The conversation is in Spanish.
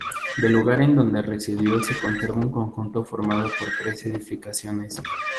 Del lugar en donde residió se conserva un conjunto formado por tres edificaciones.